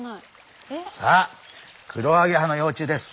さあクロアゲハの幼虫です！